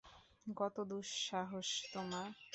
কত দুঃসাহস তোমার?